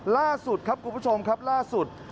ล่าสุดครับคุณผู้ชมครับล่าสุด